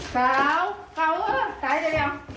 เกาเกาใส่เดี๋ยว